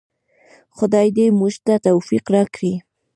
خدای دې موږ ته توفیق راکړي